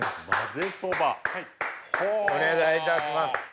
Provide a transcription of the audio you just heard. お願いいたします。